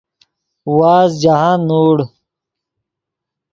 وازد جاہند نوڑ